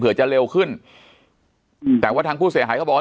เพื่อจะเร็วขึ้นอืมแต่ว่าทางผู้เสียหายเขาบอกว่า